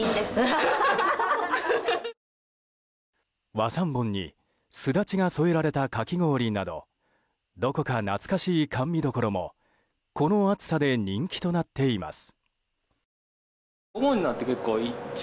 和三盆にすだちが添えられたかき氷などどこか懐かしい甘味処もこの暑さで人気となっています。